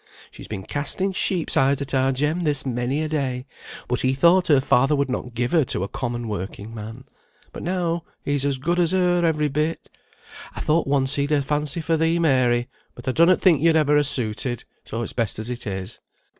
She's been casting sheep's eyes at our Jem this many a day, but he thought her father would not give her to a common working man; but now he's as good as her, every bit. I thought once he'd a fancy for thee, Mary, but I donnot think yo'd ever ha' suited, so it's best as it is."